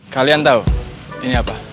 kalian tahu ini apa